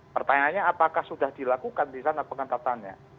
pertanyaannya apakah sudah dilakukan di sana pengangkatannya